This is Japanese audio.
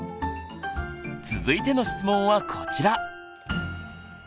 続いての質問はこちら！